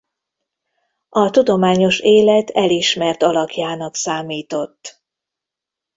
A tudományos élet elismert alakjának számított.